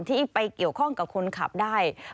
ที่ไปเกี่ยวข้องกับคนขับได้